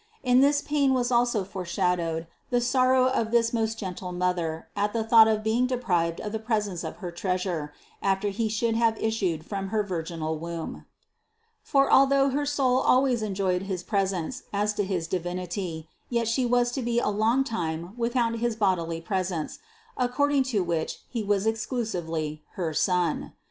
In this pain was also foreshadowed the sorrow of this most gentle Mother at the thought of being deprived of the presence of her Treasure, after He should have issued from her virginal womb; for al though her soul always enjoyed his presence as to his Divinity, yet She was to be a long time without his bod ily presence, according to which He was exclusively her Son.